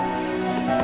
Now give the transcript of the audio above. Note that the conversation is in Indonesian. sampai jumpa lagi